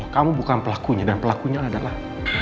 kamu bukan pelakunya dan pelakunya adalah